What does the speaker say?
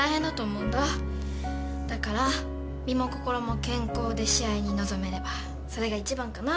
だから身も心も健康で試合に臨めればそれが一番かなって。